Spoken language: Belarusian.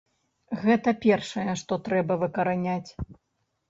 Гэта першае, што трэба выкараняць.